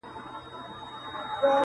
ما هابيل دئ په قابيل باندي وژلى -